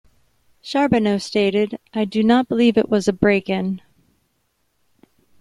Charbonneau stated: I do not believe it was a break-in.